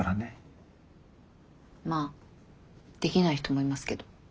まあできない人もいますけど。